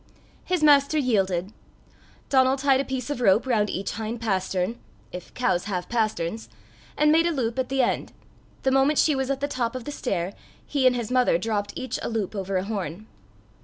His master yielded. Donal tied a piece of rope round each hind pastern if cows have pasterns and made a loop at the end. The moment she was at the top of the stair, he and his mother dropped each a loop over a horn.